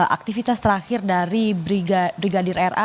aktivitas terakhir dari brigadir ra